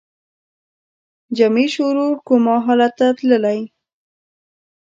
جمعي شعور کوما حالت ته تللی